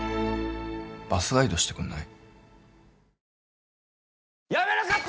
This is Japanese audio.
バスガイドしてくんない？